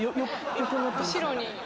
横になってます。